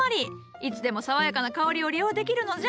いつでも爽やかな香りを利用できるのじゃ。